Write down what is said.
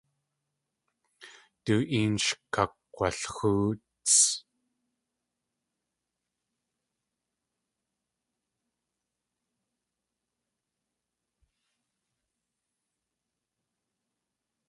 Du een sh kakg̲walxóots.